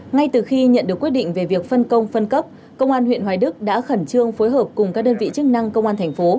ngay từ khi nhận được quyết định về việc phân công phân cấp công an huyện hoài đức đã khẩn trương phối hợp cùng các đơn vị chức năng công an thành phố